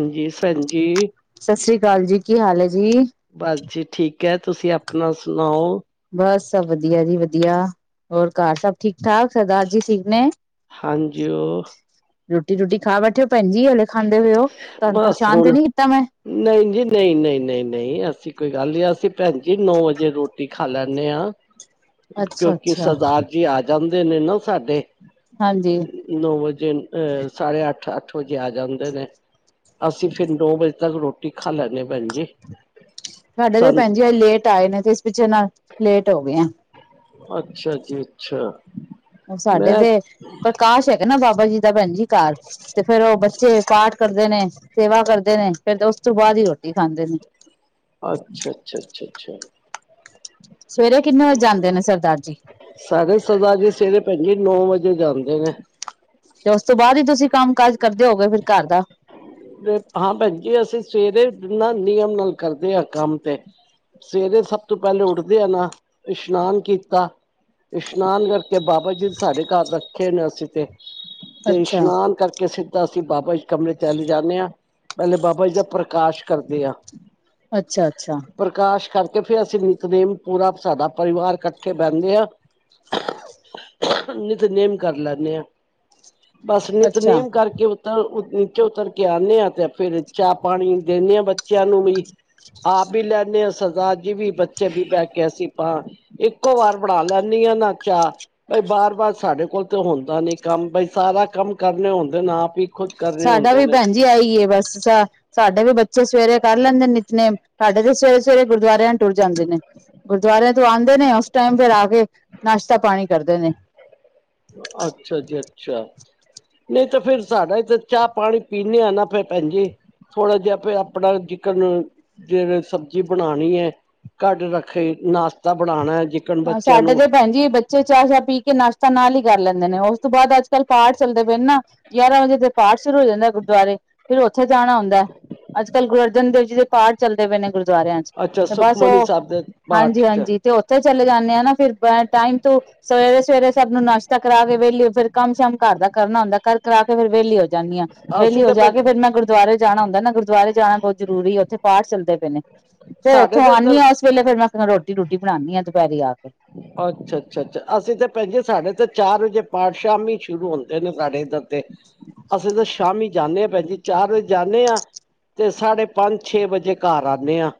ਹਾਂਜੀ ਸਰ ਜੀ। ਸਤਿ ਸ੍ਰੀ ਅਕਾਲ ਜੀ ਕੀ ਹਾਲ ਹੈ ਜੀ ਬਸ ਜੀ ਠੀਕ ਐ, ਤੁਸੀਂ ਆਪਣਾ ਸੁਣਾਓ? ਬਸ ਸਭ ਵਧੀਆ ਜੀ ਵਧੀਆ, ਹੋਰ ਘਰ ਸਭ ਠੀਕ-ਠਾਕ ਸਰਦਾਰ ਜੀ ਠੀਕ ਨੇ? ਹਾਂਜੀ ਉਹ ਰੋਟੀ-ਰੂਟੀ ਖਾ ਬੈਠੇ ਹੋ ਭੈਣ ਜੀ ਹਲੇ ਖਾਂਦੇ ਪਏ ਓ ਤੁਹਾਨੂੰ ਪਰੇਸ਼ਾਨ ਤੇ ਨੀ ਕੀਤਾ ਮੈਂ? ਨਈ ਜੀ ਨਈ ਨਈ, ਨਈ ਨਈ ਐਸੀ ਕੋਈ ਗੱਲ ਨੀ ਅਸੀਂ ਭੈਣ ਜੀ ਨੌ ਵਜੇ ਰੋਟੀ ਖਾ ਲੈਂਨੇ ਆਂ। [inaudible] ਕਿਉਂਕਿ ਅੱਛਾ ਸਰਦਾਰ ਜੀ ਆ ਜਾਂਦੇ ਨੇ ਨਾ ਸਾਡੇ। ਹਾਂਜੀ। ਨੌ ਵਜੇ ਅਹ ਸਾਡੇ ਅੱਠ-ਅੱਠ ਵਜੇ ਆ ਜਾਂਦੇ ਨੇ। ਅਸੀਂ ਫਿਰ ਨੋ ਵਜੇ ਤੱਕ ਰੋਟੀ ਖਾ ਲੈਂਨੇ ਆ ਭੈਣਜੀ। ਸਾਡੇ ਤੇ ਭੈਣ ਜੀ ਅੱਜ ਲੇਟ ਆਏ ਨੇ ਤੇ ਇਸ ਪਿੱਛੇ ਨਾ ਲੇਟ ਹੋ ਗੇ ਆ। ਅੱਛਾ ਜੀ ਅੱਛਾ। ਹੁਣ ਮੈਂ ਸਾਡੇ ਤੇ ਪ੍ਰਕਾਸ਼ ਹੈਗਾ ਨਾ ਬਾਬਾ ਜੀ ਦਾ ਭੈਣ ਜੀ। ਘਾਰ ਤੇ ਫੇਰ ਉਹ ਬੱਚੇ ਪਾਠ ਕਰਦੇ ਨੇ ਸੇਵਾ ਕਰਦੇ ਨੇ ਫਿਰ ਉਸ ਉਸ ਤੋਂ ਬਾਅਦ ਹੀ ਰੋਟੀ ਖਾਂਦੇ ਨੇ। ਅੱਛਾ ਅੱਛਾ, ਅੱਛਾ ਅੱਛਾ। ਸਵੇਰੇ ਕਿੰਨੇ ਵਜੇ ਜਾਂਦੇ ਨੇ ਸਰਦਾਰ ਜੀ? ਸਾਡੇ ਸਰਦਾਰ ਜੀ ਸਵੇਰੇ ਭੈਣ ਜੀ ਨੌ ਵਜੇ ਜਾਂਦੇ ਨੇ। ਤੇ ਉਸ ਤੋਂ ਬਾਅਦ ਹੀ ਤੁਸੀਂ ਕੰਮ-ਕਾਜ ਕਰਦੇ ਹੋਗੇ ਫਿਰ ਘਰ ਦਾ? ਹਾਂ ਭੈਣਜੀ, ਅਸੀਂ ਸਵੇਰੇ ਨਾ ਨਿਯਮ ਨਾਲ ਕਰਦੇ ਹਾਂ ਕੰਮ ਤੇ। ਸਵੇਰੇ ਸਭ ਤੋਂ ਪਹਿਲੇ ਉੱਠਦੇ ਆ ਨਾ ਇਸ਼ਨਾਨ ਕੀਤਾ ਇਸ਼ਨਾਨ ਕਰਕੇ ਬਾਬਾ ਜੀ ਸਾਡੇ ਘਰ ਰੱਖੇ ਨੇ ਅਸੀਂ ਤੇ ਤੇ ਅੱਛਾ ਇਸ਼ਨਾਨ ਕਰਕੇ ਸਿੱਧਾ ਅਸੀਂ ਬਾਬਾ ਜੀ ਕਮਰੇ ਚਲੇ ਜਾਂਨੇ ਆ। ਪਹਿਲੇ ਬਾਬਾ ਜੀ ਦਾ ਪ੍ਰਕਾਸ਼ ਕਰਦੇ ਆ। ਅੱਛਾ- ਅੱਛਾ। ਪ੍ਰਕਾਸ਼ ਕਰਕੇ ਫਿਰ ਅਸੀਂ ਨਿਤਦੇਮ ਪੂਰਾ ਸਾਡਾ ਪਰਿਵਾਰ ਇਕੱਠੇ ਬਹਿੰਨੇ ਆ। [inaudible] ਨਿਤਨੇਮ ਕਰ ਲੇਨੇ ਆ। ਬਸ ਅੱਛਾ ਨਿਤਨੇਮ ਕਰਕੇ ਉਤਰ ਨੀਚੇ ਉਤਰ ਕੇ ਆਨੇ ਆਂ ਤੇ ਫੇਰ ਚਾਹ-ਪਾਣੀ ਦੇਨਿਆ ਬੱਚਿਆਂ ਨੂੰ ਵੀ ਆਪ ਵੀ ਲੈਂਨੇ ਆ ਸਰਦਾਰ ਜੀ ਵੀ ਬੱਚ ਚੇ ਵੀ ਬਹਿ ਕੇ ਅਸੀਂ ਪਾ ਇੱਕੋ ਵਾਰ ਬਣਾ ਲੈਂਣੀਆ ਹਾਂ ਨਾ ਚਾਹ ਬਈ ਬਾਰ- ਬਾਰ ਸਾਡੇ ਕੋਲ ਤਾਂ ਹੁੰਦਾ ਨੀ ਕੰਮ ਬਈ ਸਾਰਾ ਕੰਮ ਕਰਨੇ ਹੁੰਦੇ ਨੇ ਆਪ ਹੀ ਖੁਦ ਕਰਨੇ ਸਾਡਾ ਹੁੰਦੇ ਵੀ ਨੇ ਭੈਣ ਜੀ ਆਈ ਏ ਵੈਸੇ ਸਾ ਸਾਡੇ ਵੀ ਬੱਚੇ ਸਵੇਰੇ ਕਰ ਲੈਂਦੇ ਨੇ ਨਿਤਨੇਮ ਸਾਡੇ ਤੇ ਸਵੇਰੇ-ਸਵੇਰੇ ਗੁਰਦੁਰਿਆਂ ਟੁਰ ਜਾਂਦੇ ਨੇ। ਗੁਰਦੁਆਰਿਆਂ ਤੋਂ ਆਉਂਦੇ ਨੇ ਉਸ ਟਾਈਮ ਫਿਰ ਆ ਕੇ ਨਾਸ਼ਤਾ ਪਾਣੀ ਕਰਦੇ ਨੇ। ਅੱਛਾ ਜੀ ਅੱਛਾ। ਨਹੀਂ ਤਾਂ ਫਿਰ ਸਾਡਾ ਤਾਂ ਚਾਹ-ਪਾਣੀ ਪੀਂਦੇ ਆ ਨਾ ਫਿਰ ਭੈਣ ਜੀ ਥੋੜ੍ਹਾ ਜਿਹਾ ਆਪੇ ਆਪਣੇ ਜਿਕਨ, ਜਿਵੇ ਸਬਜ਼ੀ ਬਣਾਣੀ ਏ। ਕੱਡ- ਰੱਖੀ ਨਾਸ਼ਤਾ ਬਣਾਣਾ ਜਿਕਨ ਹਾਂ ਬੱਚਿਆਂ ਸਾਡੇ ਨੂੰ ਤੇ ਭੈਣ ਜੀ ਬੱਚੇ ਬੱਚੇ ਚਾਹ- ਚੂ ਪੀ ਕੇ ਨਾਸ਼ਤਾ ਨਾਲ ਹੀ ਕਰ ਲੈਂਦੇ ਨੇ ਉਸ ਤੋਂ ਬਾਅਦ ਅੱਜ-ਕੱਲ੍ਹ ਪਾਠ ਚੱਲਦੇ ਪਏ ਨੇ ਨਾ। ਗਿਆਰਾਂ ਵਜੇ ਤੇ ਪਾਠ ਸ਼ੁਰੂ ਹੋ ਜਾਂਦਾ ਗੁਰਦੁਆਰੇ ਫਿਰ ਉੱਥੇ ਜਾਣਾ ਹੁੰਦਾ ਐ। ਅੱਜ- ਕੱਲ ਗੁਰੂ ਅਰਜਨ ਦੇਵ ਜੀ ਦੇ ਪਾਠ ਚੱਲਦੇ ਪਏ ਨੇ ਗੁਰਦੁਆਰਿਆਂ ਚ ਅੱਛਾ ਤੇ ਬਸ ਸੁਖਮਨੀ ਉਹ ਸਾਹਿਬ ਦੇ ਪਾਠ। ਚ ਹਾਂਜੀ। ਤੇ ਉੱਥੇ ਚਲੇ ਜਾਂਦੇ ਆ ਨਾ ਫਿਰ ਟਾਈਮ ਤੋਂ ਸਵੇਰੇ- ਸਵੇਰੇ ਸਭ ਨੂੰ ਨਾਸ਼ਤਾ ਕਰਾ ਕੇ ਵੈਲੇ ਫਿਰ ਕੰਮ- ਸ਼ਮ ਘਰ ਦਾ ਕਰਨਾ ਹੁੰਦਾ ਕਰ ਕਰਾ ਕੇ ਫਿਰ ਵਿਹਲੀ ਹੋ ਜਾਂਦੀ ਆ, ਵੇਹਲੀ ਅਸੀਂ ਹੋ ਤੇ ਭੈ ਜਾ ਕੇ ਫਿਰ ਮੈਂ ਗੁਰਦੁਆਰੇ ਜਾਣਾ ਹੁੰਦਾ ਨਾ ਗੁਰ ਦੁਆਰੇ ਜਾਣਾ ਬਹੁਤ ਜ਼ਰੂਰੀ ਏ, ਉੱਥੇ ਪਾਠ ਚੱਲਦੇ ਪਏ ਨੇ। ਫੇਰ ਸਾਡੇ ਉੱਥੋਂ ਤੇ ਆਂਨੀ ਇੱਧਰ ਆ ਏਸ ਵੇਲੇ ਫਿਰ ਮੈਂ ਰੋਟੀ- ਰੁਟੀ ਬਣਾਦੀ ਹਾਂ ਦੁਪਹਿਰੇ ਆ ਕੇ। ਅੱਛਾ-ਅੱਛਾ-ਅੱਛਾ, ਅਸੀਂ ਤਾਂ ਭੈਂਜੀ ਸਾਡੇ ਤੇ ਚਾਰ ਵਜੇ ਪਾਠ ਸ਼ਾਮ ਹੀ ਸ਼ੁਰੂ ਹੁੰਦੇ ਨੇ ਸਾਡੇ ਇੱਧਰ ਤੇ। ਅਸੀਂ ਤੇ ਸ਼ਾਮੀ ਜਾਂਦੇ ਹਾਂ ਭੈਣ ਜਜੀ ਚਾਰ ਵਜੇ ਜਾਂਦੇ ਹਾਂ, ਤੇ ਸਾਢੇ ਪੰਜ ਛੇ ਵਜੇ ਘਰ ਆਂਦੇ ਹਾਂ।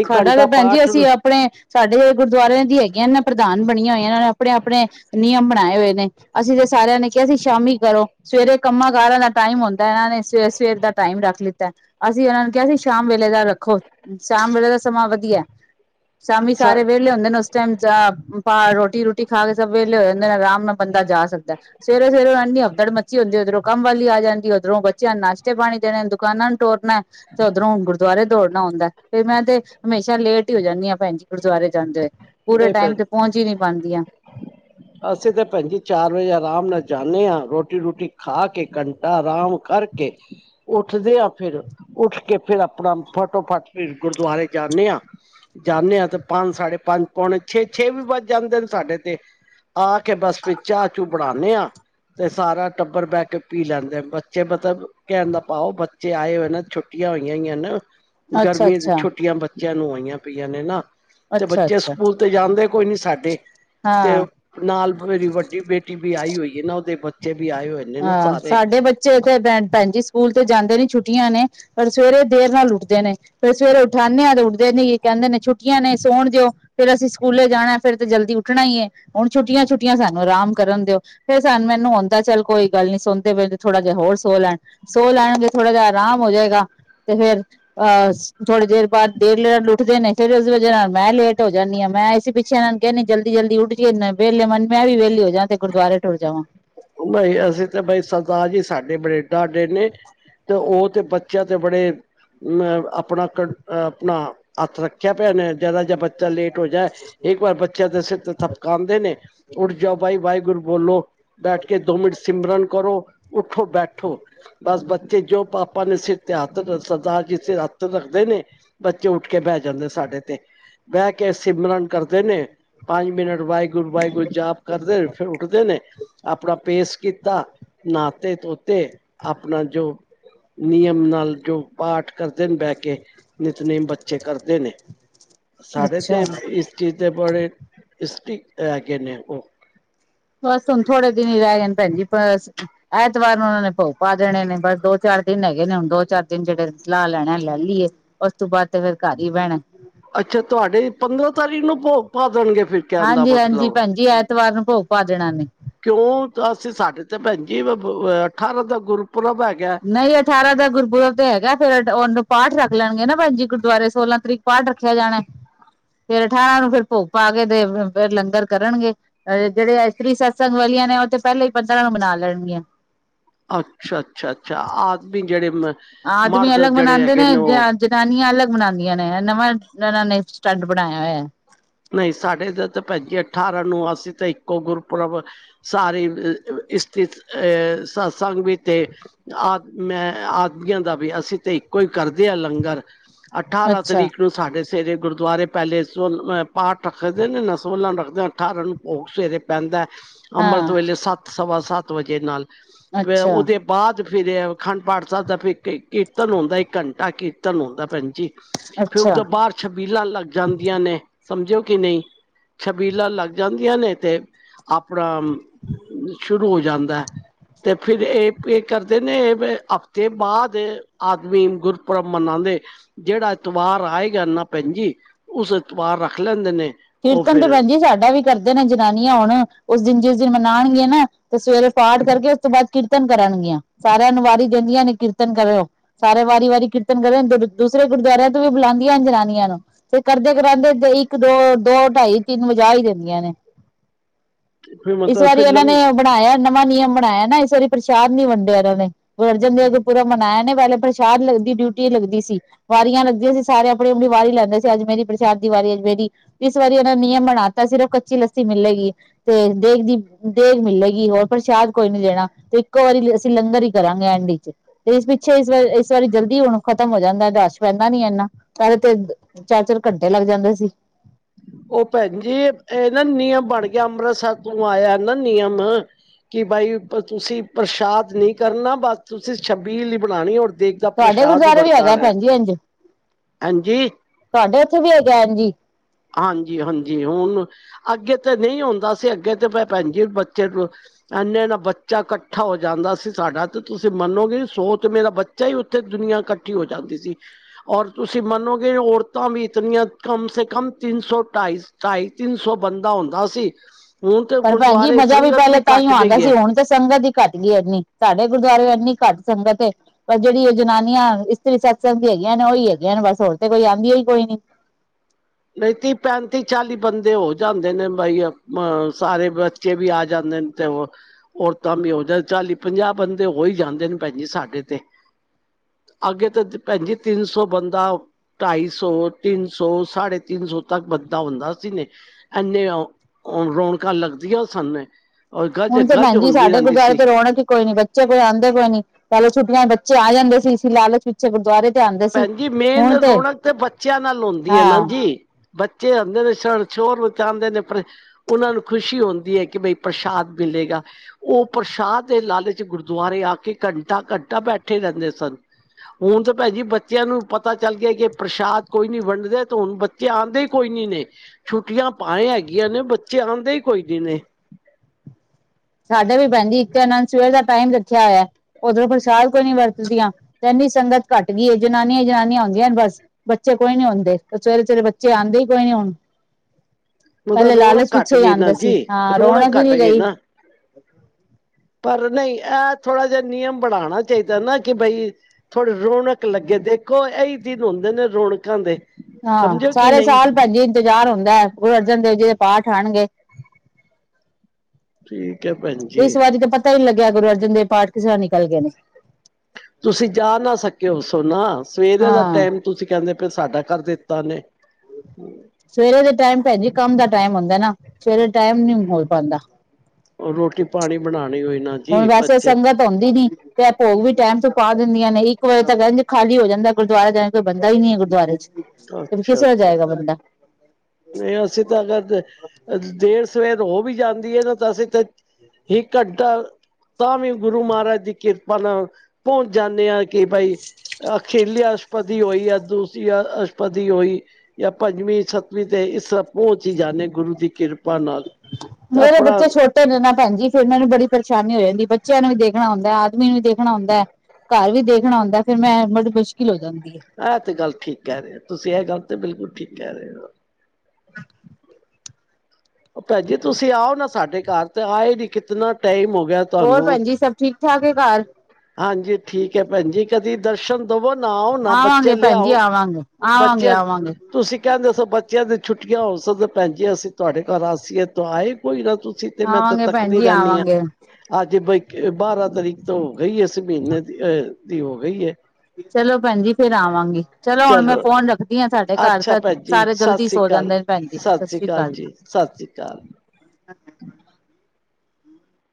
ਇੱਕ ਨਾਲੇ ਘੰਟਾ ਭੈਣ ਜੀ ਪਾਠ ਅਸੀਂ ਆਪ ਆਪਣੇ ਸਾਡੇ ਗੁਰਦੁਆਰਿਆਂ ਦੀ ਹੈਗੀਆਂਨਾਂ ਪ੍ਰਧਾਨ ਬਣੀਆਂ ਹੋਈਆਂ, ਇਹਨਾ ਨੇ ਆਪਣੇ- ਆਪਣੇ ਨਿਯਮ ਬਣਾਏ ਹੋਏ ਨੇ। ਅਸੀਂ ਤੇ ਸਾਰਿਆਂ ਨੇ ਕਿਹਾ ਸੀ ਸ਼ਾਮੀ ਕਰੋ, ਸਵੇਰੇ ਕੰਮਾਂ ਕਾਰਾਂ ਦਾ ਟਾਈਮ ਹੁੰਦਾ। ਹੁੰਦਾਂ, ਇਹਨਾਂ ਨੇ ਸਵੇਰ-ਸਵੇਰ ਦਾ ਟਾਈਮ ਰੱਖ ਲਿੱਤਾ, ਅਸੀਂ ਇਹਨਾਂ ਨੂੰ ਕਿਹਾ ਸੀ ਸ਼ਾਮ ਵੇਲੇ ਦਾ ਰੱਖੋ। ਸ਼ਾਮ ਵੇਲੇ ਦਾ ਸਮਾਂ ਵਧੀਆ ਐ ਸ਼ਾਮੀ ਸਾ ਸਾਰੇ ਵੇਲੇ ਵਿਹਲੇ ਹੁੰਦੇ ਨੇ ਉਸ ਟਾਈਮ ਚਾਹ ਪਾ ਰੋਟੀ- ਰੂਟੀ ਖਾ ਕੇ ਸਭ ਵਿਹਲੇ ਹੋ ਜਾਂਦੇ ਨੇ, ਆਰਾਮ ਨਾਲ ਬੰਦਾ ਜਾ ਸਕਦਾ। ਸਵੇਰੇ-ਸਵੇਰੇ ਰਹਦੀ ਹਫਦੜ ਮੱਚੀ-ਹੁੰਦੀ, ਉੱਰੋਂ ਕੰਮ ਵਾਲੀ ਆ ਜਾਂਦੀ, ਉੱਧਰੋਂ ਬੱਚਿਆਂ ਨੂੰ ਨਾਸ਼ਤੇ ਪਾਣੀ- ਦੇਣੇਣ ਦੁਕਾਨਾਂ ਨੂੰ ਟੁਰਨਾ ਏ ਤੇ ਉੱਧਰੋਂ ਹੁਣ ਗੁਰਦੁਆਰੇ ਦੌੜਨਾ ਆਉਂਦਾ। ਫੈਰ ਮੈਂ ਤੇ ਹਮੇਸ਼ਾ ਲੇਟ ਹੀ ਹੋ ਜਾਂਦੀ ਹਾਂ ਭੈਣ ਜੀ ਗੁਰਦੁਆਰੇ ਜਾਂਦੇ ਹੋਏ ਪੂਰੇ ਨਹੀਂ ਟਾਈਮ ਭੈਣ ਤੇ ਪਹੁੰਚ ਹੀ ਨਹੀ ਬਣਦੀਆਂ। ਅਸੀਂ ਤਾਂ ਭੈਜੀ ਚਾਰ ਵਜੇ ਆਰਾਮ ਨਾਲ ਜਾਂਦੇ ਹਾਂ ਰੋਟੀ- ਰੂਟੀ ਖਾ ਕੇ ਘੰਟਾ ਆਰਾਮ ਕਰਕੇ। ਉੱਠਦੇ ਹਾਂ ਫਿਰ, ਉੱਠ ਕੇ ਫਿਰ ਆਪਣਾ ਫਟੋ ਫਟ ਫਿਰ ਗੁਰਦੁਆਰੇ ਜਾਂਦੇ ਹਾਂ। ਜਾਂਦੇ ਹਾਂ ਤੇ ਪੰਜ, ਸਾਢੇ ਪੰਜ, ਪੌਣੇ ਛੇ, ਛੇ ਵੀ ਬਸ ਜਾਂਦੇ ਨੇ ਸਾਡੇ ਤੇ। ਆ ਕੇ ਬਸ ਫ ਚਾਹ-ਚੂ ਬਣਾਉਦੇ ਹਾਂ। ਤੇ ਸਾਰਾ ਟੱਬਰ ਬਹਿ ਕੇ ਪੀ ਲੈਂਦੇ ਆ, ਬੱਚੇ ਮਤਲਬ ਕਹਿਣ ਦਾ ਪਾਓ ਬੱਚੇ ਆਏ ਹੋਏ ਨਾ ਛੁੱਟੀਆਂ ਹੋਈਆਂ ਹੀਈਆਂ ਨਾ, ਅੱਛਾ ਗਰਮੀਆਂ ਅੱਛਾ ਛੁੱਟੀਆਂ ਬੱਚਿਆਂ ਨੂੰ ਹੋਈਆਂ ਪਈਆਂ ਨੇ ਨਾ। ਤੇ ਅੱਛਾ ਬੱਚੇ ਅੱਛਾ ਸਕੂਲ ਤੇ ਜਾਂਦੇ ਕੋਈ ਨੀ ਸਾਡੇ ਹਾਂ ਤੇ ਨਾਲ ਮੇਰੀ ਵੱਡੀ ਬੇਟੀ ਵੀ ਆਈ ਹੋਈ ਹੈ ਨਾ, ਉਹਦੇ ਬੱਚੇ ਵੀ ਆਏ ਹੋਏ। ਨੇ ਨਾ ਹਾਂ ਸਾਰੇ ਸਾਡੇ ਬੱਚੇ ਇਥੇ ਭੈਣ ਜੀ ਸਕੂਲ ਤੇ ਜਾਂਦੇ ਨੀ ਛੁੱਟੀਆਂ ਨੇ ਪਰ ਸਵੇਰੇ ਦੇਰ ਨਾਲ ਉੱਠਦੇ ਨੇ। ਫਿਰ ਸਵੇਰੇ ਉਠਾਨੇ ਆ ਤੇ ਉੱਠਦੇ ਨੀ, ਕਹਿੰਦੇ ਨੇ ਛੁੱਟੀਆਂ ਨੇ ਸੋਣ ਦਿਓ। ਫੇਰ ਅਸੀਂ ਸਕੂਲੇ ਜਾਣਾ ਫੇਰ ਤੇ ਜਲਦੀ ਉੱਠਣਾ ਹੀ ਏ, ਹੁਣ ਛੁੱਟੀਆਂ-ਛੁੱਟੀਆਂ ਸਾਨੂੰ ਆਰਾਮ ਕਰਨ ਦਿਓ। ਫਿਰ ਸਾਨ ਮੈਨੂੰ ਹੁੰਦਾ ਚੱਲ ਕੋਈ ਗੱਲ ਨੀ ਸੌਂਦੇ ਪਏ ਤੇ ਥੋੜ੍ਹਾ ਜਿਹਾ ਹੋਰ ਸੋ ਲੈਣ। ਸੋ ਲੈਣਗੇ ਥੋੜਾ ਜਿਹਾ ਆਰਾਮ ਹੋ ਜਾਏਗਾ। ਤੇ ਫੇਰ ਅਹ ਥੋੜੀ ਦੇਰ ਬਾਅਦ ਦੇਰ ਲੇਟ ਉਠਦੇ ਨੇ, ਫਿਰ ਉਸ ਵਜ੍ਹਾ ਨਾਲ ਮੈਂ ਲੇਟ ਹੋ ਜਾਂਦੀ ਹਾਂ। ਮੈਂ ਇਸੇ ਪਿੱਛੇ ਇਹਨਾਂ ਨੂੰ ਕਹਿਨੀ ਜਲਦੀ-ਜਲਦੀ ਉੱਠ ਜਿਏ ਵਿਹਲੇ ਮੰਨ ਮੈਂ ਵੀ ਵਿਹਲੇ ਹੋ ਜਾ ਤੇ ਗੁਰਦੁਆਰੇ ਟੁਰ ਜਾਵਾਂ। ਬਈ ਅਸੀਂ ਤੇ ਬਈ ਸਰਦਾਰ ਜੀ ਸਾਡੇ ਬੜੇ ਡਾਡੇ ਨੇ ਤੇ ਉਹ ਤੇ ਬਚ ਬੱਚਾ ਤੇ ਬੜੇ ਅ ਆਪਣਾ -ਆਪਣਾ ਹੱਥ ਰੱਖਿਆ ਪਿਆ ਨੇ ਜਿਆਦਾ ਜਹਾ ਬ [unintelligible] ਲੇਟ ਹੋ ਜਾਏ, ਇੱਕ ਵਾਰ ਬੱਚਾ ਦੇ ਸਿਰ ਤੇ ਥਪਕਾਉਂਦੇ ਨੇ ਉੱਠ ਜਾਓ ਬਾਈ ਵਾਹਿਗੁਰੂ ਬੋਲੋ। ਬੈਠ ਕੇ ਦੋ ਮਿੰਟ ਸਿਮਰਨ ਕਰੋ। ਉੱਠੋ ਬੈਠੋ ਬਸ ਬੱਚੇ ਜੋ ਪਾਪਾ ਨੇ ਸਿਰ ਤੇ ਹੱਥ ਸਰਦਾਰ ਜੀ ਹੱਥ ਰੱਖਦੇ ਨੇ ਬੱਚੇ ਉੱਠ ਕੇ ਬਹਿ ਜਾਂਦੇ ਸਾਡੇ ਤੇ, ਬਹਿ ਕੇ ਸਿਮਰਨ ਕਰਦੇ ਨੇ ਪੰਜ ਮਿੰਟ ਵਾਹਿਗੁਰੂ-ਵਾਹਿਗੁਰੂ ਜਾਪ ਕਰਦੇ ਨੇ, ਫੇਰ ਉੱਠਦੇ ਨੇ ਪੇਸ਼ਟ ਕੀਤਾ, ਨਾਤੇ- ਤੋਤੇ ਆਪਣਾ ਜੋ ਨਿਯਮ ਨਾਲ ਨਾਲ ਜੋ ਪਾਠ ਕਰਦੇ ਨੇ ਬਹਿ ਕੇ, ਨਿਤਨੇਮ ਬੱਚੇ ਕਰਦੇ ਨੇ ਸਾਡੇ ਤੇ, ਅੱਛਾ ਇਸ ਚੀਜ਼ ਦੇ ਬੜੇ, ਸਟਿਕ ਹੈਗੇ ਨੇ ਉਹ, ਬਸ ਹੁਣ, ਥੋੜੇ ਦਿਨ ਹੀ ਰਹਿ ਗਏ ਭੈਣ ਜੀ ਬਸ ਐਤਵਾਰ ਨੂੰ, ਉਹਨਾਂ ਨੇ ਭੋਗ ਪਾ ਦੇਣੇ ਨੇ, ਬਸ ਦੋ- ਚਾਰ ਦਿਨ ਹੈਗੇ ਨੇ, ਹੁਣ ਦੋ ਚਾਰ ਦਿਨ ਜਿਹੜੇ ਸਲਾਹ ਲੈਣੇ ਲੈ ਲਈਏ ਉਸ ਤੋਂ ਬਾਅਦ ਤੇ, ਫੇਰ ਘਰ ਹੀ ਬਹਿਣਾ। ਅੱਛਾ ਤੁਹਾਡੇ, ਪੰਦਰਾਂ ਤਾਰੀਕ ਨੂੰ ਪਾ ਦੇਣਗੇ ਫਿਰ ਕਹਿਣ ਦਾ ਹਾਂਜੀ-ਹਾਂਜੀ ਮਤਲਬ ਭੈਣਜੀ ਐਤਵਾਰ ਨੂੰ ਭੋਗ ਪਾ ਦੇਣਾ ਨੇ ਕਿਉਂ ਤਾਂ, ਅਸੀਂ ਸਾਡੇ ਤੇ ਭੈਣਜੀ ਅਠਾਰਾਂ ਦਾ, ਗੁਰਪੁਰਬ ਹੈਗਾ ਨਹੀਂ ਅਠਾਰਾਂ ਦਾ ਗੁਰਪੁਰਬ ਤੇ ਹੈਗਾ, ਫੇਰ ਉਹਨੂੰ ਪਾਠ ਰੱਖ ਲੈਣਗੇ ਨਾ ਭੈਣ ਜੀ, ਗੁਰਦੁਆਰੇ ਸੋਲਾਂ ਤਰੀਕ ਪਾਠ ਰੱਖਿਆ ਜਾਣਾ ਫੇਰ ਅਠਾਰਾਂ ਨੂੰ ਫਿਰ ਭੋਗ ਪਾ ਕੇ ਤੇ, ਫਿਰ ਲੰਗਰ ਕਰਨਗੇ ਐ ਜਿਹੜੇ ਇਸਤਰੀ ਸਤਸੰਗ ਵਾਲੀਆਂ ਨੇ, ਉਹ ਤੇ ਪਹਿਲੇ ਹੀ, ਪੰਦਰਾਂ ਨੂੰ ਮਨਾ ਲੈਣਗੀਆਂ, ਅੱਛਾ-ਅੱਛਾ ਅੱਛਾ, ਆਦਮੀ ਜਿਹੜੇ ਮ ਆਦਮੀ, ਮਰਦ ਅਲਗ ਜਿਹੜੇ ਮਨਾਂਦੇ ਹੈਗੇ ਨੇ ਜ ਉਹ ਜਨਾਨੀਆਂ ਅਲੱਗ ਮਣਾਦੀਆਂ ਨੇ, ਨਵਾਂ ਇਹਨਾਂ ਨੇ ਸਟੰਡ, ਬਣਾਇਆ ਹੋਇਆ ਨਹੀਂ ਸਾਡੇ ਤੇ ਏਧੇ ਤਾਂ ਭੈਣ ਜੀ ਅਠਾਰਾਂ ਨੂੰ, ਅਸੀ ਤਾਂ ਇੱਕੋ ਗੁਰਪੁਰਬ ਸਾਰੇ, ਇਸਤਰੀ ਅਹ ਸਤਸੰਗ ਵੀ ਤੇ ਆਦ ਮੈਂ, ਆਦਮੀਆਂ ਦਾ ਵੀ ਅਸੀਂ ਤੇ ਕੋਈ ਕਰਦੇ ਆ ਲੰਗਰ, ਅਠਾਰਾਂ ਅੱਛਾ ਤਰੀਕ ਨੂੰ ਸਾਡੇ ਸਵੇਰੇ ਗੁਰਦੁਆਰੇ ਪਹਿਲੇ ਸ ਪਾਠ ਰੱਖਦੇ ਨੇ ਨਾ, ਸ਼ੋਲਾ ਨੂੰ ਰੱਖਦੇ ਅਠਾਰਾਂ ਨੂੰ ਭੋਗ ਸਵੇਰੇ ਪੈਂਦਾ, ਅੰਮ੍ਰਿਤ ਹਾਂ ਵੇਲੇ ਸੱਤ ਸਵਾ -ਸੱਤ ਵਜੇ ਨਾਲ ਅੱਛਾ ਉਹਦੇ ਬਾਅਦ ਫਿਰ, ਅਖੰਡ ਪਾਠ ਸਾਹਿਬ ਦਾ ਫਿਰ ਕੀਰਤਨ ਹੁੰਦਾ, ਇੱਕ ਘੰਟਾ ਕੀਰਤਨ ਹੁੰਦਾ ਭੈਣ ਜੀ। ਫੇਰ ਉਸ ਅੱਛਾ ਤੋਂ ਬਾਹਰ, ਛਬੀਲਾਂ ਲੱਗ ਜਾਂਦੀਆਂ ਨੇ, ਸਮਝੇ ਓ ਕਿ ਨਹੀਂ ਛਬੀਲਾ, ਲੱਗ ਜਾਂਦੀਆਂ ਨੇ ਤੇ ਆਪਣਾ ਸ਼ੁਰੂ ਹੋ ਜਾਂਦਾ ਤੇ ਫਿਰ, ਇਹ ਕੇ ਕਰਦੇ ਨੇ ਹਫ਼ਤੇ ਬਾਅਦ ਆਦਮੀ, ਗੁਰਪੁਰਬ ਮਨਾਉਂਦ ਜਿਹੜਾ, ਇਤਵਾਰ ਆਏਗਾ ਨਾ ਭੈਣ ਜੀ, ਉਸ ਇਤਵਾਰ ਰੱਖ ਲੈਂਦੇ ਨੇ ਉਹ ਕੀਰਤਨ, ਤੇ ਫਿਰ ਭੈਣ ਜੀ ਸਾਡਾ ਵੀ ਕਰਦੇ ਨੇ, ਜਨਾਨੀਆਂ ਹੁਣ, ਉਸ ਦਿਨ ਜਿਸ ਦਿਨ, ਮਨਾਣਗੇ ਨਾ ਤੇ ਸਵੇਰੇ ਪਾਠ ਕਰਕੇ, ਉਸ ਤੋਂ ਬਾਅਦ ਕੀਰਤਨ ਕਰਨਗੀਆਂ, ਸਾਰਿਆਂ ਨੂੰ ਵਾਰੀ ਦੇਦੀਆਂ ਨੇ, ਕੀਰਤਨ ਕਰੋ ਸਾਰੇ ਵਾਰੀ-ਵਾਰੀ ਕੀਰਤਨ ਕਰਨ ਦੂਸਰੇ ਗੁਰਦੁਆਰਿਆਂ ਤੋਂ ਵੀ, ਬੁਲਾਉਂਦੀਆਂ ਜਨਾਨੀਆਂ ਨੂੰ ਤੇ, ਕਰਦੇ- ਕਰਾਂਦੇ ਇੱਕ ਦੋ, ਦੋ -ਢਾਈ ਤਿੰਨ, ਵਜਾ ਹੀ ਦਿੰਦੀਆਂ ਨੇ, ਫਿਰ ਇਸ ਮਤਲਬ ਵਾਰੀ ਫਿਰ ਉਹਨਾਂ ਨੇ ਲੰਗ ਬਣਾਇਆ, ਨਵਾਂ ਨਿਯਮ ਬਣਾਇਆ ਨਾ, ਇਸ ਵਾਰੀ ਪ੍ਰਸ਼ਾਦ ਨਈ, ਵੰਡਿਆ ਇਹਨਾਂ ਨੇ ਗੁਰੂ ਅਰਜਨ ਦੇਵ ਪੂਰਵ ਮਨਾਇਆ ਨੇ, ਪਹਿਲੇ ਪ੍ਰਸ਼ਾਦ ਲੱਗਦੀ, ਡਿਊਟੀ ਲੱਗਦੀ ਸੀ। ਵਾਰੀਆਂ ਲੱਗਦੀਆਂ ਸੀ। ਸਾਰੇ ਆਪਣੀ -ਆਪਣੀ ਵਾਰੀ ਲੈਂਦੇ ਸੀ। ਅੱਜ ਮੇਰੀ, ਪ੍ਰਸ਼ਾਦ ਦੀ ਵਾਰੀ ਅੱਜ ਮੇਰੀ ਇਸ ਵਾਰੀ, ਉਹਨਾਂ ਨਿਯਮ ਬਣਾ ਤਾ, ਸਿਰਫ ਕੱਚੀ ਲੱਸੀ ਮਿਲੇਗੀ ਤੇ ਦੇਗ ਦੀ ਦੇਗ ਮਿਲੇਗੀ, ਹੋਰ ਪਰ ਪ੍ਰਸਾਦਿ ਕੋਈ ਨੀ ਦੇਣਾ ਤੇ, ਇੱਕੋ ਵਾਰੀ ਅਸੀਂ, ਲੰਗਰ ਹੀ ਕਰਾਂਗੇ ਐੱਡ ਚ ਤੇ ਇਸ ਪਿੱਛੇ, ਇਸ ਵਾਰੀ -ਇਸ ਵਾਰੀ ਜਲਦੀ ਮਾਲ ਖ਼ਤਮ ਹੋ ਜਾਂਦਾ, ਰਸ਼ ਪੈਂਦਾ ਨਈ, ਇਨਾ ਪਹਿਲੇ ਤੇ ਚਾਰ-ਚਾਰ ਘੰਟੇ ਲੱਗ ਜਾਂਦੇ ਸੀ। ਉਹ ਭੈਣ ਜੀ, ਇਹ ਨਾ ਨਿਯਮ ਬਣ ਗਿਆ ਅੰਮ੍ਰਿਤਸਰ ਤੋਂ, ਆਇਆ ਨਾ ਨਿਯਮ ਕਿ, ਬਾਈ ਤੁਸੀਂ ਪ੍ਰਸ਼ਾਦ ਨਹੀਂ ਕਰਨਾ, ਬਸ ਤੁਸੀਂ ਛੱਬੀਲ ਹੀ, ਬਣਾਉਣੀ ਔਰ ਦੇਗ ਸਿਧਾ ਤੁਹਾਡੇ ਪ੍ਰਸ਼ਾਦ ਹੀ ਗੁਰਦੁਆਰੇ ਵੀ ਹੈਗਾ ਵਰਤਣਾ ਭੈਣ ਜੀ ਇੰਝ ਹਾਂਜੀ। ਤੁਹਾਡੇ ਇਥੇ ਵੀ ਹੈ ਏਨ ਜੀ ਹਾਂਜੀ-ਹਾਂਜੀ ਹੁਣ ਅੱਗੇ ਤੇ ਨਈ ਹੋਂਦਾ ਸੀ। ਅੱਗੇ ਤੇ ਭੈਣ ਜੀ। ਬੱਚੇ ਇੰਨੇ ਇੰਨਾ ਬੱਚਾ ਇਕੱਠਾ ਹੋ ਜਾਂਦਾ ਸੀ ਸਾਡਾ ਤੇ ਤੁਸੀਂ ਮੰਨੋਗੇ ਸੋਚ ਮੇਰਾ ਬੱਚਾ ਚਾਹੇ ਉੱਥੇ ਦੁਨੀਆਂ ਕੱਠੀ ਹੋ ਜਾਂਦੀ ਸੀ। ਔਰ ਤੁਸੀਂ ਮੰਨੋਗੇ ਔਰਤਾਂ ਵੀ ਇਤਨੀਆਂ ਕਮ ਸੇ ਕਮ ਤਿੰਨ ਸੌ ਢਾਈ-ਢਾਈ ਤਿੰਨ ਸੌ ਬੰਦਾ ਹੁੰਂਦਾ ਸੀ। ਹੁਣ ਤੇ ਪਰ ਭੈਣ ਜੀ ਗੁਰਦੁਆਰੇ ਮਜ਼ਾ ਵੀ ਸੰਗਤ ਪੈਲੇ ਤਾਂਹੀਓ ਘੱਟ ਆਂਦਾ ਗਈ ਸੀ ਹੈ ਹੁਣ ਤੇ ਸੰਗਤ ਹੀ। ਘੱਟ ਗੀ ਇੰਨੀ। ਸਾਡੇ ਗੁਰਦੁਆਰੇ ਇੰਨੀ ਘੱਟ ਸੰਗਤ ਏ। ਪਰ ਜਿਹੜੀ ਉਹ ਜਨਾਨੀਆਂ ਇਸਤਰੀ ਸਤਸੰਗ ਦੀ ਹੈਗੀਆਂ ਨੇ ਉਹੀ ਹੈਗੀਆਂ ਨੇ ਬਸ ਹੋਰ ਤੇ ਕੋਈ ਆਂਦੀਆਂ ਈ ਕੋਈ ਨੀ। ਨਹੀਂ ਤੀਂ ਪੈਂਤੀ ਚਾਲੀ ਬੰਦੇ ਹੋ ਜਾਂਦੇ ਨੇ ਬਈ ਅ ਸਾਰੇ ਬੱਚੇ ਵੀ ਆ ਜਾਂਦੇ ਨੇ ਤੇ ਉਹ ਔਰਤਾਂ ਵੀ ਹੋ ਜਾ ਚਾਲੀ ਪੰਜਾਹ ਬੰਦੇ ਹੋ ਈ ਜਾਂਦੇ ਨੇ ਭੈਣ ਜੀ ਸਾਡੇ ਤੇ। ਅੱਗੇ ਤੇ ਭੈਣਜੀ ਤਿੰਨ ਸੌ ਬੰਦਾ ਢਾਈ ਸੌ ਤਿੰਨ ਸੌ ਸਾਢੇ ਤਿੰਨ ਸੌ ਤੱਕ ਬੱਦਾ ਹੁੰਦਾ ਸੀ ਨੇ। ਇੰਨੇ ਰੌਣਕਾਂ ਲੱਗਦੀਆਂ ਸਨ ਨੇ। ਹੁਣ ਤੇ ਭੈਣ ਜੀ ਸਾਡੇ ਗੁਰਦੁਆਰੇ ਤੇ ਰੋਣਕ ਈ ਕੋਈ ਨੀ। ਬੱਚੇ ਕੋਈ ਆਂਦੇ ਕੋਈ ਨੀ। ਪੈਲੇ ਛੁੱਟੀਆਂ ਚ ਬੱਚੇ ਆ ਜਾਂਦੇ ਸੀ ਅਸੀਂ ਲਾਲਚ ਵਿੱਚ ਬੱਚੇ ਗੁਰਦੁਆਰੇ ਤੇ ਆਂਦੇ। ਸੀ ਭੈਣ ਜੀ ਮੇਨ ਰੌਣਕ ਤੇ ਬੱਚਿਆਂ ਨਾਲ ਹੋਂਦੀ ਹੈਨਾ ਹਾਂ ਜੀ। ਬੱਚੇ ਹੰਦੇ ਨੇ ਸ਼ੋਰ ਮਚਾਂਦੇ ਨੇ। ਉਹਨਾਂ ਨੂੰ ਖ਼ੁਸ਼ੀ ਹੁੰਦੀ ਐ ਕਿ ਬਈ ਪ੍ਰਸ਼ਾਦ ਮਿਲੇਗਾ। ਉਹ ਪ੍ਰਸ਼ਾਦ ਦੇ ਲਾਲਚ ਗੁਰਦੁਆਰੇ ਆ ਕੇ ਘੰਟਾ-ਘੰਟਾ ਬੈਠੇ ਰਹਿੰਦੇ ਸਨ। ਹੁਣ ਤੇ ਭੈਨ ਜੀ ਬੱਚ ਬੱਚਿਆਂ ਨੂੰ ਪਤਾ ਚੱਲ ਗਿਐ ਕਿ ਪ੍ਰਸ਼ਾਦ ਕੋਈ ਨੀ ਵੰਡਦੇ ਤੇ ਹੁਣ ਬੱਚੇ ਆਂਦੇ ਕੋਈ ਨੀ ਨੇ। ਛੁੱਟੀਆਂ ਪਾਏ ਹੈਗੀਆਂ ਨੇ ਬੱਚੇ ਆਂਦੇ ਈ ਕੋਈ ਨੀ ਨੇ। ਸਾਡੇ ਵੀ ਭੈਣਜੀ ਇੱਕ ਤੇ ਇਹਨਾਂ ਨੇ ਸਵੇਰ ਦਾ ਟਾਈਮ ਰੱਖਿਆ ਹੋਇਐ। ਓਧਰੋਂ ਪ੍ਰਸ਼ਾਦ ਕੋਈ ਨੀ ਵਰਤਦੀਆਂ ਤੇ ਇਨੀ ਸੰਗਤ ਘੱਟ ਗਈ ਏ ਜਨਾਨੀਆਂ-ਜਨਾਨੀਆਂ ਹੋਂਦੀਆਂ ਨੇ ਬਸ। ਬੱਚੇ ਕੋਈ ਨੀ ਹੋਂਦੇ ਤੇ ਸਵੇਰੇ-ਸਵੇਰੇ ਬੱਚੇ ਆਂਦੇ ਈ ਕੋਈ ਨੀ ਹੁਣ। ਪੈਲੇ ਮਤਲਬ ਲਾਲਚ ਰੌਣਕ ਘੱਟ ਪਿੱਛੇ ਹੀ ਗਈ ਨਾ ਆਂਦੇ ਸੀ ਜੀ ਹਾਂ ਰੋਣਕ ਰੌਣਕ ਈ ਘੱਟ ਨੀ ਗਈ ਰਈ। ਨਾ। ਹਮ। [inaudible] ਪਰ ਨਈ ਇਹ ਥੋੜਾ ਜਿਹਾ ਨਿਯਮ ਬਣਾਣਾ ਚਾਹੀਦੈ ਨਾ ਕਿ ਬਈ ਥੋੜੇ ਰੌਣਕ ਲੱਗੇ ਦੇਖੋ ਇਹੀ ਦਿਨ ਹੁੰਦੇ ਨੇ ਰੌਣਕਾਂ ਦੇ। ਹਾਂ ਸਮਝੋ ਕਿ ਸਾਰੇ ਨਹੀਂ ਸਾਲ ਭੈਣਜੀ ਇੰਤਜ਼ਾਰ ਹੁੰਦੈ, ਗੁਰੂ ਅਰਜਨ ਦੇਵ ਜੀ ਦੇ ਪਾਠ ਆਣਗੇ। ਠੀਕ ਐ। ਇਸ ਵਾਰੀ ਤੇ ਪਤਾ ਈ ਨੀ ਲੱਗਿਆ ਗੁਰੂ ਅਰਜਨ ਦੇਵ ਪਾਠ ਕਿਸਰ੍ਹਾਂ ਨਿਕਲ ਗਏ ਨੇ। ਤੁਸੀਂ ਜਾ ਨਾ ਸਕੇ ਹੋ ਸੋ ਨਾ ਸਵੇਰੇ ਦਾ ਹਾਂ ਟੈਮ ਤੁਸੀਂ ਕਹਿੰਦੇ ਪੇਓ ਸਾਡਾ ਕਰ ਦਿੱਤਾ ਨੇ। ਹਮ। [unintelligible] [inaudible] ਸਵੇਰੇ ਦੇ ਟਾਈਮ ਭੈਣ ਜੀ, ਕੰਮ ਦਾ ਟਾਈਮ ਹੁੰਦੈ ਨਾ, ਸਵੇਰੇ ਟਾਈਮ ਨੀ ਹੋ ਪਾਂਦਾ। ਉਹ ਰੋਟੀ ਪਾਣੀ ਬਣਾਣੀ ਹੋਈ ਨਾ ਜੀ, ਬੱਚੇ ਭੈਣਜੀ। ਤੇ ਭੋਗ ਵੀ ਟੈਮ ਸੇਰ ਪਾ ਦਿੰਦੀਆਂ ਨੇ, ਇੱਕ ਵਜੇ ਤਕ ਇੰਝ ਖਾਲੀ ਹੋ ਜਾਂਦੈ ਗੁਰਦੁਆਰਾ ਜੈਵੇਂ ਕੋਈ ਬੰਦਾ ਹੀ ਨੀ ਹੈ ਗੁਰਦੁਆਰੇ ਚ ਤੇ ਫਿਰ ਕਿਸ ਅੱਛਾ ਤਰ੍ਹਾਂ ਅੱਛਾ ਅੱਛਾ ਜਾਏਗਾ ਬੰਦਾ ਨਹੀਂ ਅਸੀਂ ਤਾਂ ਅਗਰ, ਦੇਰ ਸਵੇਰ ਹੋ ਵੀ ਜਾਂਦੀ ਏ ਤੇ ਤਾਂ ਅਸੀਂ ਤੇ ਹਿੱਕ ਘੰਟਾ ਤਾਂ ਵੀ ਗੁਰੂ ਮਹਾਰਾਜ ਦੀ ਕਿਰਪਾ ਨਾਲ ਪਹੁੰਚ ਜਾਂਨੇ ਆਂ। ਕਿ ਭਈ ਅਖੀਰਲੀ ਅਸ਼ਪਦੀ ਹੋਈ ਯਾ ਦੂਸਰੀ ਅ ਅਸ਼ਪਦੀ ਹੋਈ ਯਾ ਪੰਜਵੀ ਸੱਤ ਨੀ ਤੇ ਇਸ ਤਰਾਂ ਪ੍ਹੋਂਚ ਈ ਜਾਂਨੇ ਆ ਗੁਰੂ ਦੀ ਕਿਰਪਾ ਨਾਲ ਤਾਂ ਮੇਰੇ ਆਪਣਾ ਬੱਚੇ ਛੋਟ ਟੇ ਨੇ ਨਾ ਭੈਨਜੀ ਫੇਰ ਮੈਨੂੰ ਬੜੀ ਪਰੇਸ਼ਾਨੀ ਹੋ ਜਾਂਦੀ, ਬੱਚੇਆਂ ਨੂੰ ਵੀ ਦੇਖਣਾ ਹੁੰਦੈ, ਆਦਮੀ ਨੂੰ ਵੀ ਦੇਖਣਾ ਹੁੰਦੈ। ਘਾੱਰ ਵੀ ਦੇਖਣਾ ਹੂੰਦੈ, ਫੇਰ ਮੈਂ ਬੜੀ ਮੁਸ਼ਕਿਲ ਹੋ ਜਾਂਦੀ ਏ। ਐ ਤੇ ਗਾੱਲ ਠੀਕ ਕੈ ਰਏ ਓ, ਤੂਸੀ ਐ ਗੱਲ ਤੇ ਬਿਲਕੁਲ ਠੀਕ ਕੈ ਰਏ ਓ। ਭੈਨਜੀ ਤੂਸੀ ਆਓ ਨਾ ਸਾਡੇ ਘਾਰ, ਤੇ ਆਏ ਨੀ ਕਿਤਨਾ ਟਾਈਮ ਹੋ ਗੇਆ ਹੋਰ ਭੈਨਜੀ, ਸਬ ਠੀਕ-ਠਾਕ ਏ ਘਾਰ? ਹਾਂਜੀ, ਠੀਕ ਐ ਭੈਨ ਜੀ ਕਦੀ ਦਰਸ਼ਨ ਦਵੋ ਨਾ, ਆਓ ਨਾ ਬੱਚੇ ਆਵਾਂਗੇ ਭੈਣ ਜੀ ਲੇਆਓ, ਆਵਾਂਗੇ ਆਵਾਂਗੇ ਬੱਚੇਆਂ ਆਵਾਂਗੇ ਚ ਤੂਸੀਂ ਕੈਂਦੇਸੋ ਬੱਚੇਆਂ ਦੀ ਛੁੱਟੀਆਂ ਹੋਸੱਨ, ਤੇ ਭੈਨ ਜੀ ਅਸੀ ਤੂਆਡੇ ਘਾਰ ਆਸੀਏ, ਤੋ ਆਏ ਕੋਈ ਨਾ ਤੂਸ ਸੀ ਤੇ ਮੈਂ ਤਾ ਆਵਾਂਗੇ ਭੈਣ ਤੱਕਦੀ ਜੀ ਰੈਨੀ ਆਂ। ਆਵਾਂਗੇ ਆੱਜ ਬਈ ਕ ਬਾਰਾਂ ਤਰੀਕ ਤੇ ਹੋ ਗਈ ਏ ਇਸ ਮ੍ਹੀਨੇ ਦੀ ਅ ਦੀ ਹੋ ਗਈ ਏ। ਚਲੋ ਭੈਨ ਜੀ ਫਿਰ ਆਵਾਂਗੇ। ਚਲੋ ਹੁਣ ਮੈਂ ਫੋਨ ਰੱਖਦੀ ਆਂ, ਸਾਡੇ ਘਾਰ ਅੱਛਾ ਸਬ, ਭੈਣ ਜੀ ਸਾਰੇ ਸਤਿ ਜਲਦੀ ਸੋ ਜਾਂਦੇ ਨੇ ਭੈਨ ਜੀ, ਸਸ੍ਰੀ ਕਾਲ ਜੀ। ਸਸ਼੍ਰੀ ਕਾਲ। [inaudible]